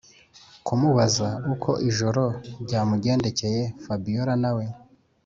kumubaza uko ijoro ryamugendekeye fabiora nawe